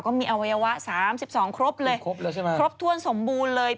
ก็มีอวัยวะ๓๒ครบเลยครบทวนสมบูรณ์เลย